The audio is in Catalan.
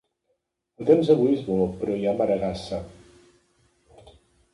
El temps avui és bo però hi ha maregassa.